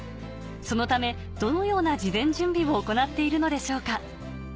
そのためどのような事前準備を行っているのでしょうか？